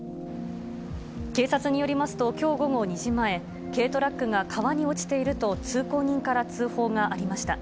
警察によりますと、きょう午後２時前、軽トラックが川に落ちていると通行人から通報がありました。